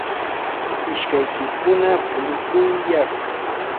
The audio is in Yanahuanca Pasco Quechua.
ishkaykikuna punukuyay.